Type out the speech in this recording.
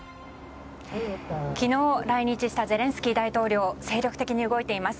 昨日、来日したゼレンスキー大統領精力的に動いています。